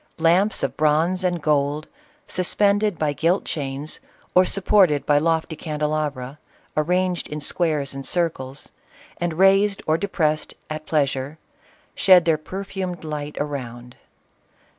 Lamps of bronze and gold, suspended by gilt chains or supported by lofty candelabra, arranged in squares and circles, and raised or depressed at pleasure, shed their per fumed light around.